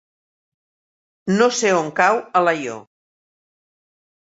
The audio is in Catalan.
No sé on cau Alaior.